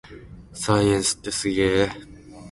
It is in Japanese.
サイエンスってすげぇ